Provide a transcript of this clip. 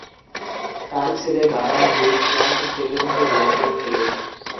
তার ছেলে Gunnar Lewis Clark স্টেটের হয়ে বেসবল খেলে।